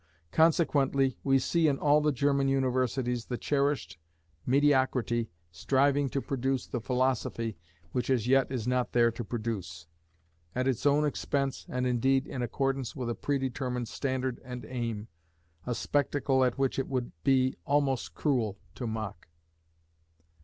Consequently we see in all the German universities the cherished mediocrity striving to produce the philosophy which as yet is not there to produce, at its own expense and indeed in accordance with a predetermined standard and aim, a spectacle at which it would be almost cruel to mock.